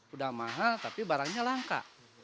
udah mahal tapi barangnya langka